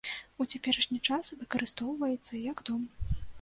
У цяперашні час выкарыстоўваецца як дом.